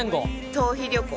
逃避旅行。